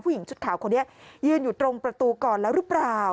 หญิงชุดขาวคนนี้ยืนอยู่ตรงประตูก่อนแล้วหรือเปล่า